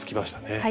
はい。